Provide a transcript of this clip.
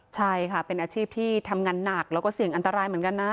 ใช่ค่ะเป็นอาชีพที่ทำงานหนักแล้วก็เสี่ยงอันตรายเหมือนกันนะ